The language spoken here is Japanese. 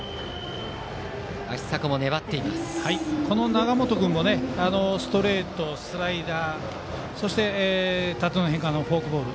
永本君もストレート、スライダーそして縦の変化のフォークボール。